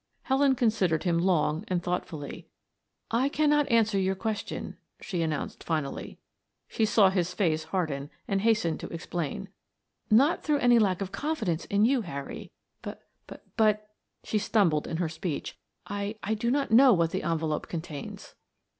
Helen considered him long and thoughtfully. "I cannot answer your question," she announced finally. She saw his face harden, and hastened to explain. "Not through any lack of confidence in you, Harry, b b but," she stumbled in her speech. "I I do not know what the envelope contains."